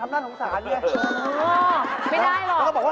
อ๋อไม่ได้หรอกอ๋อแล้วก็บอกว่า